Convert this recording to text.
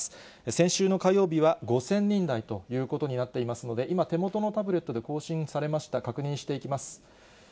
先週の火曜日は５０００人台ということになっていますので、今、手元のタブレットで更新されました、確認していきます。